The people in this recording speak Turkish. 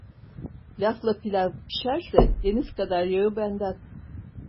Lafla pilav pişerse deniz kadar yağı benden.